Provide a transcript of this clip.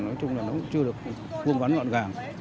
nói chung là nó cũng chưa được vùng vắn ngọn gàng